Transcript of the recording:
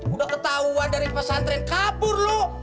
udah ketahuan dari pesantren kabur loh